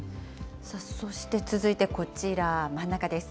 そして続いてこちら、真ん中です。